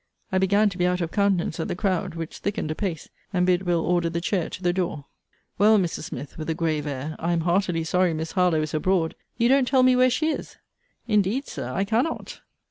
I began to be out of countenance at the crowd, which thickened apace; and bid Will. order the chair to the door. Well, Mrs. Smith, with a grave air, I am heartily sorry Miss Harlowe is abroad. You don't tell me where she is? Indeed, Sir, I cannot.